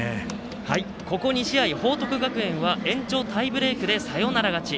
ここ２試合、報徳学園は延長タイブレークでサヨナラ勝ち。